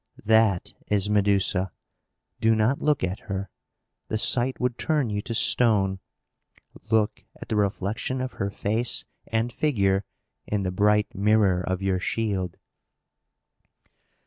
That is Medusa. Do not look at her! The sight would turn you to stone! Look at the reflection of her face and figure in the bright mirror of your shield."